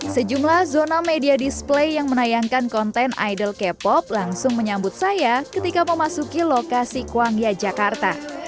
sejumlah zona media display yang menayangkan konten idol k pop langsung menyambut saya ketika memasuki lokasi kuangya jakarta